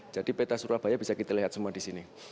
jadi peta surabaya bisa kita lihat semua di sini